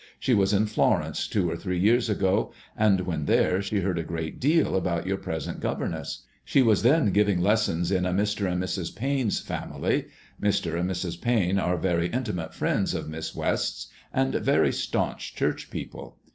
She was in Florence two or three years ago, and when there, she heard a great deal about your present governess. She was then giving lessons in a Mr. and Mrs. Payne's family. Mr. and Mrs. Payne are very intimate friends of Miss West's, and very MADSMOISELLB IXB. 49 staunch Church people.